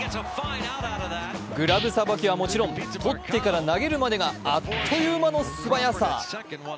グラブさばきはもちろんとってから投げるまでがあっという間の素早さ。